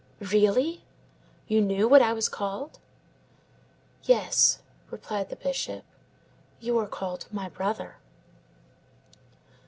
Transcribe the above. "Really? You knew what I was called?" "Yes," replied the Bishop, "you are called my brother."